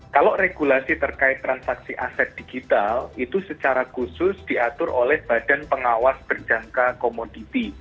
kalau regulasi terkait transaksi aset digital itu secara khusus diatur oleh badan pengawas berjangka komoditi